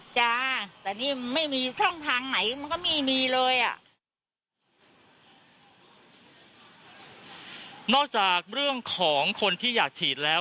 จ้าแต่นี่ไม่มีช่องทางไหนมันก็ไม่มีเลยอ่ะนอกจากเรื่องของคนที่อยากฉีดแล้ว